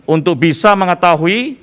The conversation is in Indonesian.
untuk bisa mengetahui